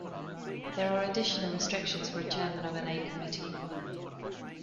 There are additional restrictions for a chairman of an A Committee.